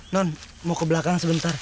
non mau ke belakang sebentar